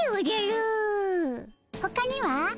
ほかには？